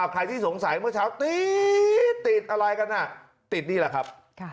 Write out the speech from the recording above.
ใครที่สงสัยเมื่อเช้าตี๊ดติดอะไรกันติดนี่แหละครับ